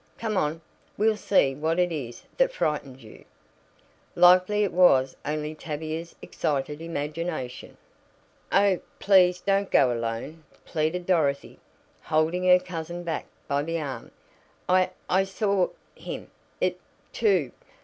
Come on; we'll see what it is that frightened you. Likely it was only Tavia's excited imagination." "Oh, please don't go alone!" pleaded Dorothy, holding her cousin back by the arm. "I I saw him it too.